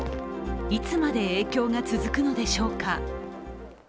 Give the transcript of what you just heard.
いつまで影響が続くのでしょうか。